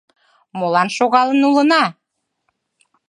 — Молан шогалын улына?